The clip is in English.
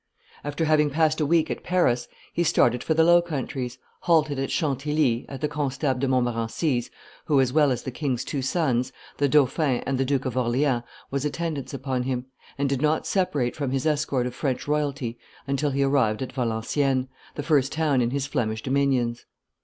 After having passed a week at Paris he started for the Low Countries, halted at Chantilly, at the Constable de Montmorency's, who, as well as the king's two sons, the dauphin and the Duke of Orleans, was in attendance upon him, and did not separate from his escort of French royalty until he arrived at Valenciennes, the first town in his Flemish dominions.